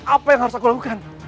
apa yang harus aku lakukan